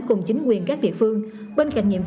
cùng chính quyền các địa phương bên cạnh